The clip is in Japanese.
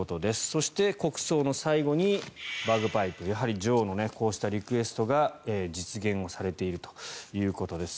そして、国葬の最後にバグパイプやはり女王のこうしたリクエストが実現をされているということです。